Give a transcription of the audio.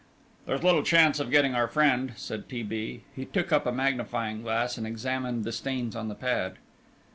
"There's little chance of getting our friend," said T. B. He took up a magnifying glass and examined the stains on the pad.